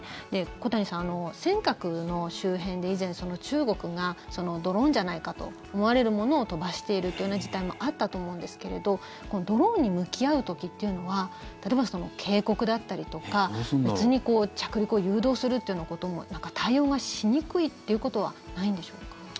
小谷さん、尖閣の周辺で以前、中国がドローンじゃないかと思われるものを飛ばしているという事態もあったと思うんですけれどドローンに向き合う時というのは例えば警告だったりとか別に着陸を誘導するというようなことも対応がしにくいということはないんでしょうか？